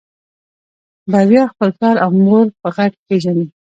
بريا خپل پلار او مور په غږ پېژني.